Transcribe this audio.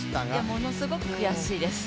ものすごく悔しいです。